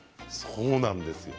そうなんですよ